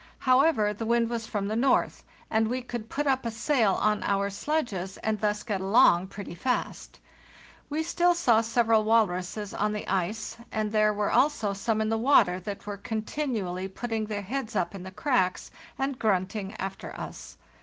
However, the wind was from the north, and we could put up a sail on our sledges, and thus get along pretty fast. We still saw several walruses on the ice, and there were also some in the water that were continually putting their heads up in the cracks and grunting after us.